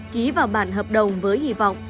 ký vào bản hợp đồng với hy vọng